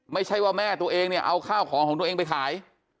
ไม่ใช่ว่าแม่ตัวเองเนี่ยเอาข้าวของของตัวเองไปขาย